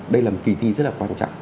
đây là một kỳ thi rất là quan trọng